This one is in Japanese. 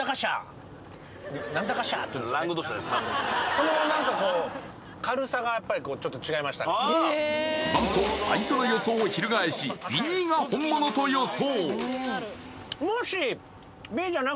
それが何かこう何と最初の予想を翻しＢが本物と予想